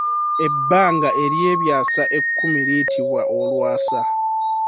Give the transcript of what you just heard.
Ebbanga eryebyaasa ekkumi liyitibwa olwasa.